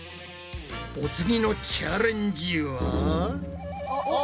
お次のチャレンジは？おっ。